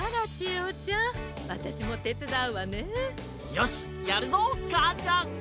よしやるぞかあちゃん！